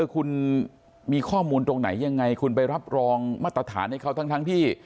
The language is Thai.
คุณมีข้อมูลตรงไหนยังไงคุณไปรับรองมาตรฐานให้เขาทั้งที่